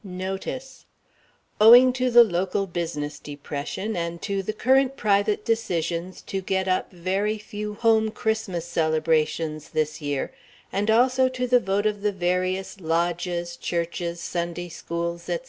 NOTICE Owing to the local business depression and to the current private decisions to get up very few home Christmas celebrations this year, and also to the vote of the various lodges, churches, Sunday schools, etc.